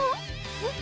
えっ？